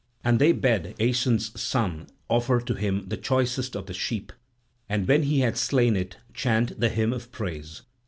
And they bade Aeson's son offer to him the choicest of the sheep and when he had slain it chant the hymn of praise.